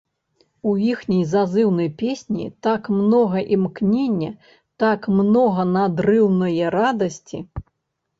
У іхняй зазыўнай песні так многа імкнення, так многа надрыўнае радасці.